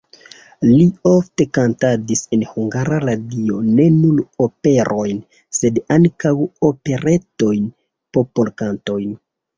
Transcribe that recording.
Li ofte kantadis en Hungara Radio ne nur operojn, sed ankaŭ operetojn, popolkantojn.